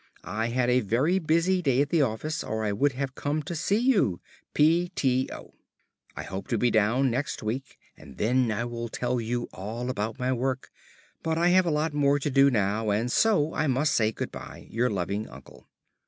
I had a very busy day at the office or I would have come to see you. P.T.O. [Transcriber's note: Page break in original.] I hope to be down next week and then I will tell you all about my work; but I have a lot more to do now, and so I must say good bye. Your loving UNCLE."